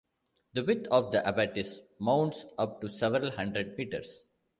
The width of the abatis mounts up to several hundred meters.